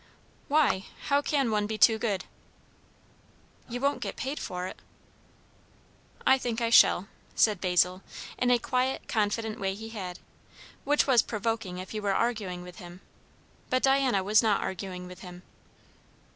"Why? how can one be too good?" "You won't get paid for it." "I think I shall," said Basil, in a quiet confident way he had, which was provoking if you were arguing with him. But Diana was not arguing with him.